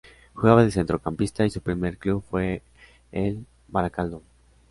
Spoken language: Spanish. Jugaba de centrocampista y su primer club fue el Barakaldo.